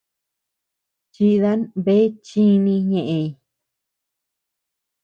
Chidan bea chíni ñeʼëñ.